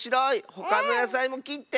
ほかのやさいもきって。